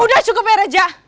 udah cukup ya raja